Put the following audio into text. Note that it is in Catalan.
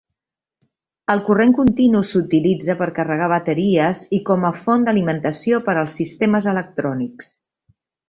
El corrent continu s'utilitza per carregar bateries i com a font d'alimentació per als sistemes electrònics.